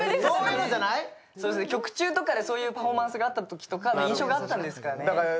曲中とかでそういうときのパフォーマンスがあったときそういう印象があったんでしょうかね。